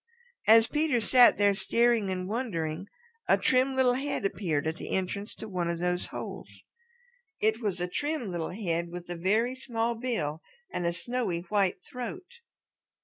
As Peter sat there staring and wondering a trim little head appeared at the entrance to one of those holes. It was a trim little head with a very small bill and a snowy white throat.